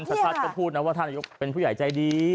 ชัดก็พูดนะว่าท่านนายกเป็นผู้ใหญ่ใจดี